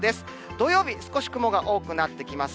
土曜日、少し雲が多くなってきます。